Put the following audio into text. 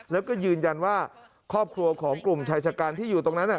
แล้วก็ยืนยันว่าครอบครัวของกลุ่มชายชะกันที่อยู่ตรงนั้น